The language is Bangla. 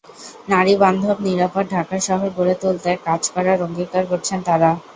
নারীবান্ধব নিরাপদ ঢাকা শহর গড়ে তুলতে কাজ করার অঙ্গীকার করছেন তাঁরা।